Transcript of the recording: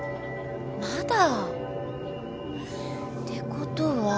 「まだ」？ってことは。